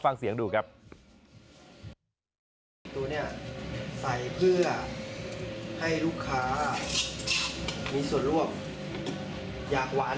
ฟังเสียงดูตัวนี้ใส่เพื่อให้ลูกค้ามีส่วนร่วมอยากหวาน